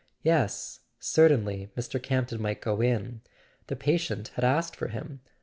Yes, certainly, Mr. Camp ton might go in; the patient had asked for him.